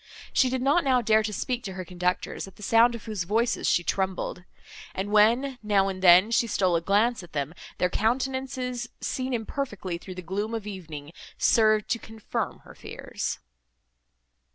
She did not now dare to speak to her conductors, at the sound of whose voices she trembled; and when, now and then, she stole a glance at them, their countenances, seen imperfectly through the gloom of evening, served to confirm her fears.